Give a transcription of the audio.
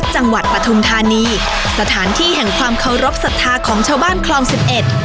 ปฐุมธานีสถานที่แห่งความเคารพสัทธาของชาวบ้านคลองสิบเอ็ด